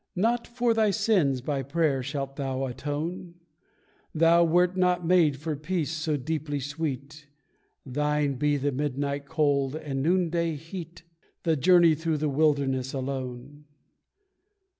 Not, for thy sins, by prayer shalt thou atone; Thou wert not made for peace so deeply sweet, Thine be the midnight cold, the noonday heat, The journey through the wilderness, alone.